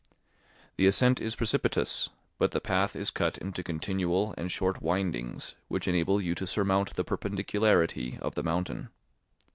The ascent is precipitous, but the path is cut into continual and short windings, which enable you to surmount the perpendicularity of the mountain.